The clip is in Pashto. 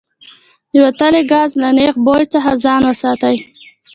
د وتلي ګاز له نیغ بوی څخه ځان وساتئ.